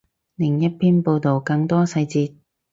另一篇报道，更多细节